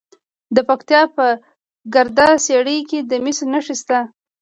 د پکتیا په ګرده څیړۍ کې د مسو نښې شته.